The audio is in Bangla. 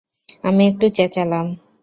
আমি একটু চেঁচালাম।